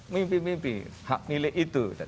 mimpi mimpi hak milik itu